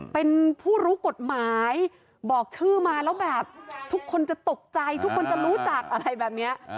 เป็นผู้รู้กฎหมายบอกชื่อมาแล้วแบบทุกคนจะตกใจทุกคนจะรู้จักอะไรแบบนี้